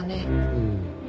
うん。